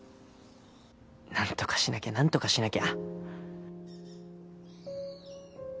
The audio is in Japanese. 何とかしなきゃ何とかしなきゃ。